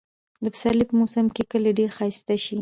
د پسرلي په موسم کې کلى ډېر ښايسته شي.